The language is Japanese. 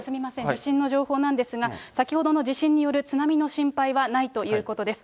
地震の情報なんですが、先ほどの地震による津波の心配はないということです。